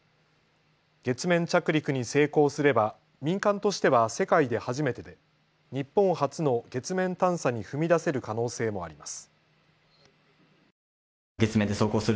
月面着陸に成功すれば民間としては世界で初めてで日本初の月面探査に踏み出せる可能性もあります。